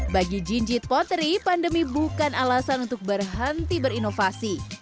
bagi jinjit potri pandemi bukan alasan untuk berhenti berinovasi